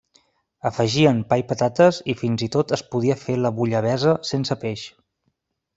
Afegien pa i patates, i fins i tot es podia fer la bullabessa sense peix.